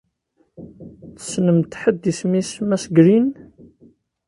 Tessnemt ḥedd isem-is Mass Green?